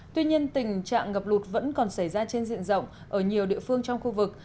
tuy nhiên tình trạng ngập lụt vẫn còn xảy ra trên diện rộng ở nhiều địa phương trong khu vực